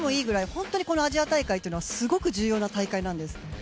本当にアジア大会というのはすごく重要な大会なんです。